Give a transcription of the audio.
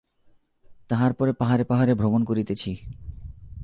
তাহার পর পাহাড়ে পাহাড়ে ভ্রমণ করিতেছি।